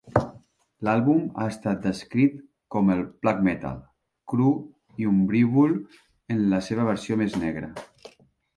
L'àlbum ha estat descrit com el "black metal" cru i ombrívol en la seva versió més negra.